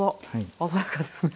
鮮やかですね。